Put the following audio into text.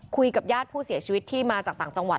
คุยกับญาติผู้เสียชีวิตที่มาจากต่างจังหวัด